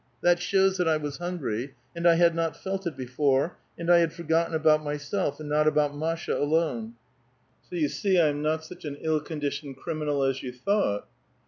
That shows that I was hungry ; and 1 had not felt it before, and I had forgotten about myself, and not about Masha alone. So you see I am not such an ill conditioned criminal as you thought."